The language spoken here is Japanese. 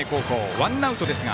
ワンアウトですが。